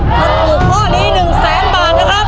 ถ้าถูกข้อนี้๑แสนบาทนะครับ